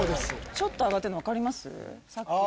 ちょっと上がってるの分かります？